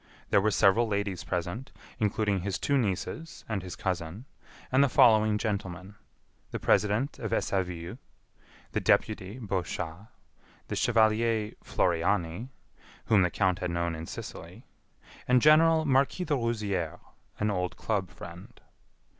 There were several ladies present, including his two nieces and his cousin, and the following gentlemen: the president of Essaville, the deputy Bochas, the chevalier Floriani, whom the count had known in Sicily, and General Marquis de Rouzières, an old club friend.